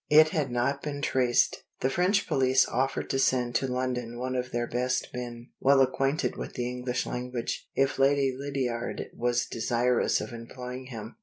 It had not been traced. The French police offered to send to London one of their best men, well acquainted with the English language, if Lady Lydiard was desirous of employing him.